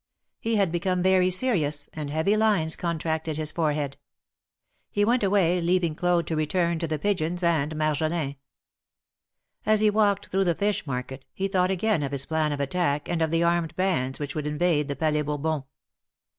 He had become very serious, and heavy lines contracted his forehead. He went away, leaving Claude to return to the pigeons and Marjolin. As he walked through the fish market, he thought again of his plan of attack and of the armed bands which would invade the Palais Bourbon.